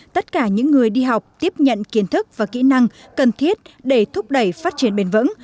tất cả những người đi học tiếp nhận kiến thức và kỹ năng cần thiết để thúc đẩy phát triển bền vững